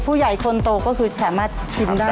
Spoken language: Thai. ผู้ใหญ่คนโตก็คือสามารถชิมได้